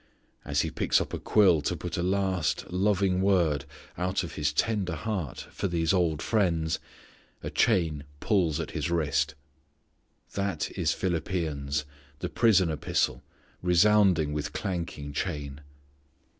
As he picks up a quill to put a last loving word out of his tender heart for these old friends, a chain pulls at his wrist. That is Philippians, the prison epistle, resounding with clanking chain.